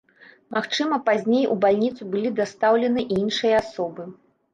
Магчыма, пазней ў бальніцу былі дастаўленыя і іншыя асобы.